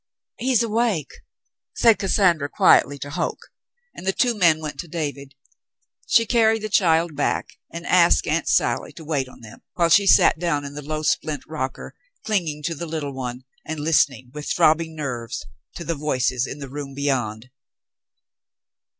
"He's awake," said Cassandra quietly to Hoke, and the two men went to David. She carried the child back and asked Aunt Sally to wait on them, while she sat down in a low splint rocker, clinging to the little one and listening, with throbbing nerves, to the voices in the room beyond.